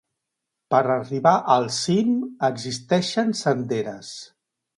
Per arribar al cim existeixen senderes.